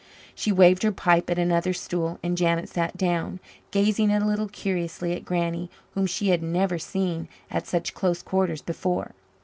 She waved her pipe at another stool, and Janet sat down, gazing a little curiously at Granny, whom she had never seen at such close quarters before.